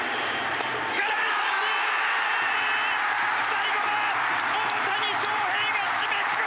最後は大谷翔平が締めくくった！